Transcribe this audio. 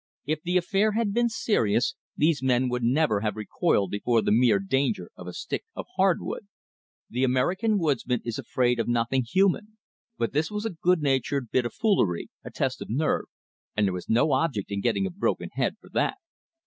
If the affair had been serious, these men would never have recoiled before the mere danger of a stick of hardwood. The American woodsman is afraid of nothing human. But this was a good natured bit of foolery, a test of nerve, and there was no object in getting a broken head for that.